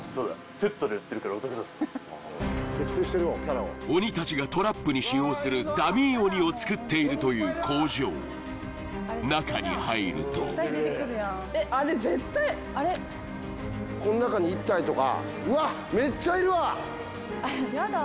セットで売ってるからお得だぞ鬼たちがトラップに使用するダミー鬼を作っているという工場中に入るとえっあれ絶対この中に１体とかうわっ・ヤダ